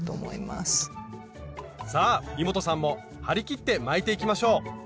さあイモトさんも張り切って巻いていきましょう！